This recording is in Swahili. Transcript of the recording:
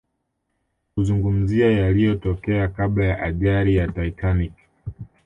kuzungumzia yaliyotokea kabla ya ajali ya Titanic